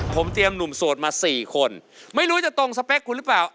ผมเตรียมหนุ่มโสดมา๔คนไม่รู้จะตรงสเปคคุณหรือเปล่า